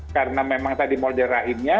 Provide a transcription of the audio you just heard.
karena memang tadi model rahinnya